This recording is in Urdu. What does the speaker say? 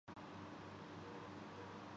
Australia Western Standard time